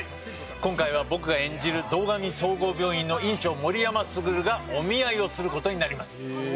今回は僕が演じる堂上総合病院の院長森山卓がお見合いをする事になります。